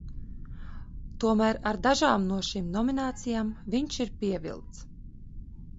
Tomēr ar dažām no šīm nominācijām viņš ir pievilts.